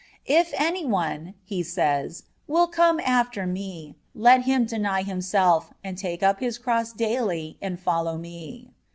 "If anyone," He says, "will come after Me, let him deny himself, and take up his cross daily and follow Me."